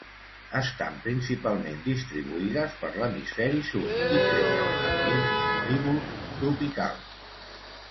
Estan principalment distribuïdes per l'Hemisferi Sud i creixen en ambients ombrívols tropicals.